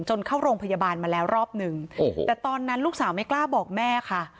เข้าโรงพยาบาลมาแล้วรอบหนึ่งโอ้โหแต่ตอนนั้นลูกสาวไม่กล้าบอกแม่ค่ะ